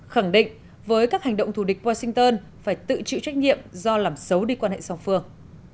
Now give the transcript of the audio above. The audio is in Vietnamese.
khẳng định với các hành động thù địch washington phải tự chịu trách nhiệm do làm xấu đi quan hệ song phương